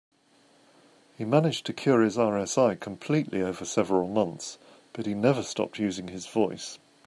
He managed to cure his RSI completely over several months, but he never stopped using his voice.